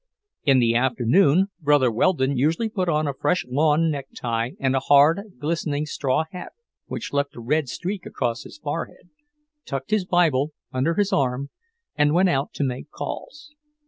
In the afternoon Brother Weldon usually put on a fresh lawn necktie and a hard, glistening straw hat which left a red streak across his forehead, tucked his Bible under his arm, and went out to make calls.